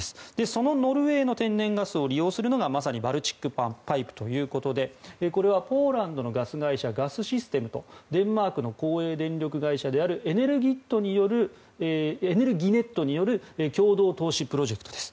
そのノルウェーの天然ガスを利用するのがまさにバルチック・パイプということでこれはポーランドのガス会社ガスシステムとデンマークの公営電力会社エネルギネットによる共同投資プロジェクトです。